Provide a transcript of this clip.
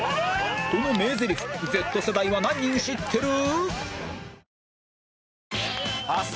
この名ゼリフ Ｚ 世代は何人知ってる？